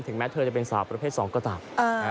ถึงแม้เธอจะเป็นสาประเภทสองก็ตาม